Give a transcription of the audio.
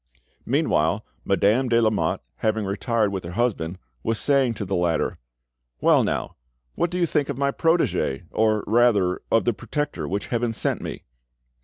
Meanwhile Madame de Lamotte, having retired with her husband, was saying to the latter— "Well, now! what do you think of my protege, or rather, of the protector which Heaven sent me?"